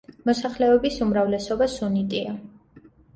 მოსახლეობის უმრავლესობა სუნიტია.